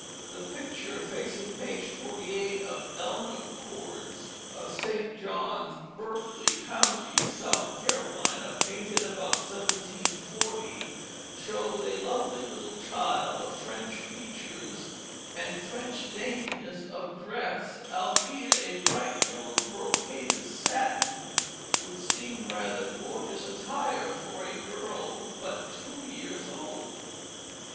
The picture facing page 48 of Ellinor Cordes of St. John's, Berkeley County, South Carolina, painted about 1740, shows a lovely little child of French features, and French daintiness of dress, albeit a bright yellow brocaded satin would seem rather gorgeous attire for a girl but two years old.